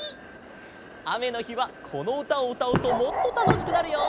あめのひはこのうたをうたうともっとたのしくなるよ。